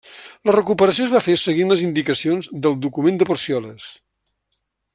La recuperació es va fer seguint les indicacions del document de Porcioles.